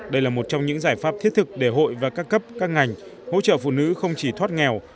đây là một trong những giải pháp thiết thực để hội và các cấp các ngành hỗ trợ phụ nữ không chỉ thoát nghèo